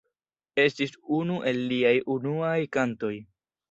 Estis unu el liaj unuaj kantoj.